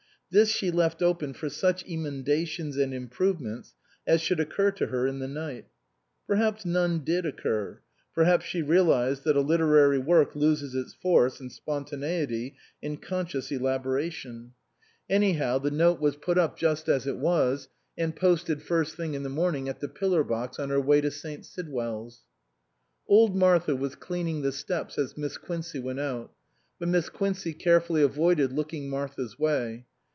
This she left open for such emendations and improvements as should occur to her in the night. Perhaps none did occur ; perhaps she realized that a literary work loses its force and spontaneity in conscious elaboration ; anyhow 255 SUPERSEDED the note was put up just as it was and posted first thing in the morning at the pillar box on her way to St. Sidwell's. Old Martha was cleaning the steps as Miss Quincey went out; but Miss Quincey carefully avoided looking Martha's way.